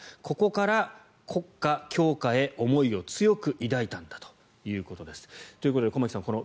ここから国家強化へ思いを強く抱いたんだということです。ということで駒木さん